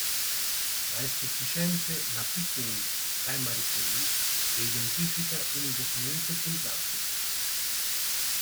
Ma è sufficiente la PK (primary key) che identifica univocamente quel dato.